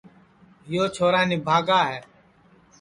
یو چھورا نِبھاگا ہے